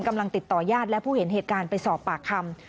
กำลังติดต่อยาดและผู้เห็นเหตุการณ์ไปสอบปากคำ